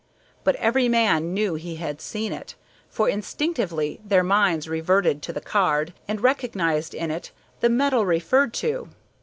But every man knew he had seen it, for instinctively their minds reverted to the card and recognized in it the metal referred to.